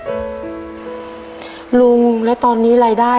พ่อจะต้องเจ็บกว่าลูกหลายเท่านั้น